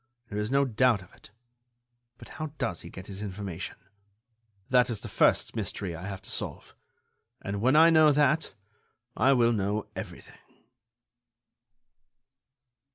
There is no doubt of it. But how does he get his information? That is the first mystery I have to solve, and when I know that I will know everything."